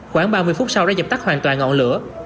khoảng ba mươi phút sau đã dập tắt hoàn toàn ngọn lửa